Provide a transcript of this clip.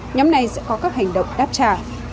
nhóm này sẽ có các hành động đáp trả